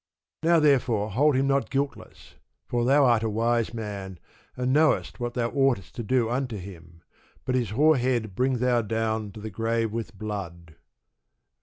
Now therefore hold him not guiltless: for thou art a wise man, and knowest what thou oughtest to do unto him; but his hoar head bring thou down to the grave with blood.